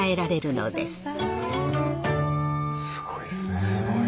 すごいですね。